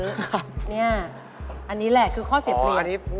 อันนี้แหละคือข้อเสียเปรียบ